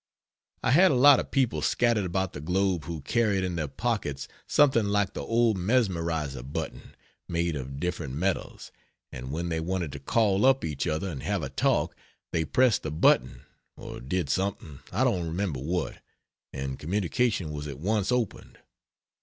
I had a lot of people scattered about the globe who carried in their pockets something like the old mesmerizer button, made of different metals, and when they wanted to call up each other and have a talk, they "pressed the button" or did something, I don't remember what, and communication was at once opened.